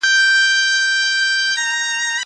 زه مړۍ نه خورم!